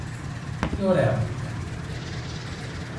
Τι ωραία που ήταν!